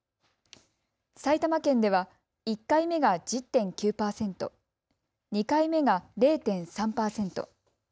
埼玉県では１回目が１０．９％、２回目が０．３％。